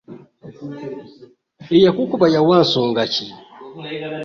Eyakukuba yawa nsonga ki?